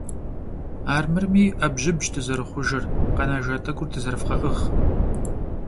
Армырми Ӏэбжьыбщ дызэрыхъужыр, къэнэжа тӀэкӀур дызэрывгъэӏыгъ!